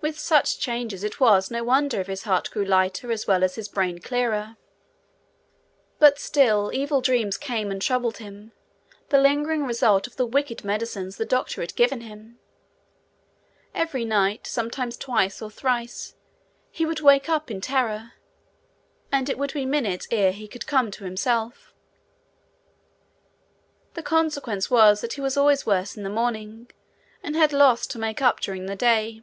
With such changes it was no wonder if his heart grew lighter as well as his brain clearer. But still evil dreams came and troubled him, the lingering result of the wicked medicines the doctor had given him. Every night, sometimes twice or thrice, he would wake up in terror, and it would be minutes ere he could come to himself. The consequence was that he was always worse in the morning, and had loss to make up during the day.